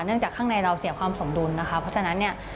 จากข้างในเราเสียความสมดุลนะคะเพราะฉะนั้นเนี่ย